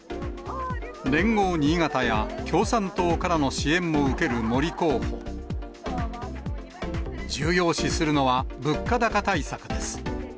連合新潟や、共産党からの支援も受ける森候補。重要視するのは物価高対策です。